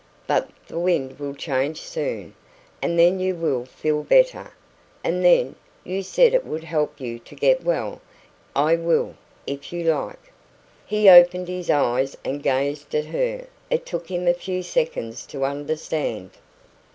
But the wind will change soon, and then you will feel better; and then you said it would help you to get well I will if you like " He opened his eyes and gazed at her. It took him a few seconds to understand.